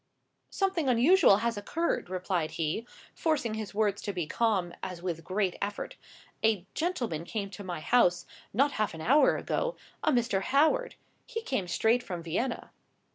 "Something unusual has occurred," replied he, forcing his words to be calm, as with a great effort. "A gentleman came to my house, not half an hour ago—a Mr. Howard. He came straight from Vienna."